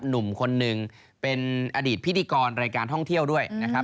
หนุ่มคนหนึ่งเป็นอดีตพิธีกรรายการท่องเที่ยวด้วยนะครับ